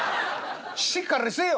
しっかりせいよ